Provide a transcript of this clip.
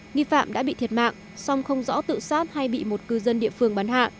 nghi phạm đã bị thiệt mạng song không rõ tự sát hay bị một cư dân địa phương bắn hạ